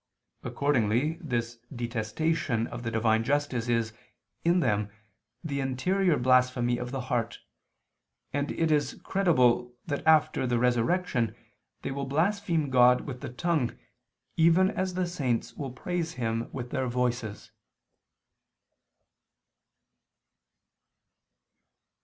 Accordingly this detestation of the Divine justice is, in them, the interior blasphemy of the heart: and it is credible that after the resurrection they will blaspheme God with the tongue, even as the saints will praise Him with their voices.